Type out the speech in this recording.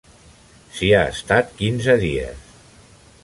S'hi ha estat quinze dies.